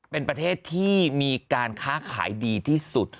เป็นประเทศที่มีการค้าขายดีที่สุด